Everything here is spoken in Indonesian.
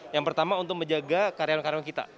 yang pertama untuk menjaga karyawan karyawan kita